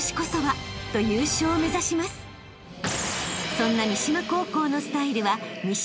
［そんな三島高校のスタイルは］